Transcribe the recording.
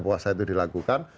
puasa itu dilakukan